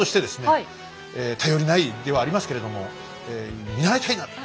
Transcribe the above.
頼りない身ではありますけれども見習いたいなと。